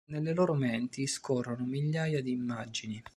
Nelle loro menti scorrono migliaia di immagini.